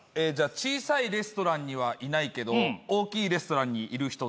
小さいレストランにはいないけど大きいレストランにいる人だれだ？